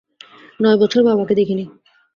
নয় বছর বাবাকে দেখিনি।